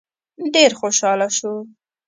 ډېر خوشحاله شو.